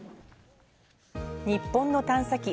日本の探査機